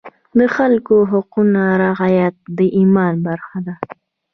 د خلکو د حقونو رعایت د ایمان برخه ده.